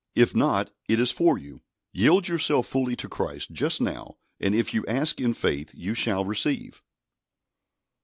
If not, it is for you. Yield yourself fully to Christ just now, and if you ask in faith you shall receive.